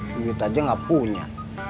duit aja gak punya